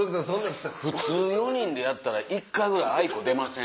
普通４人でやったら１回ぐらいあいこ出ません？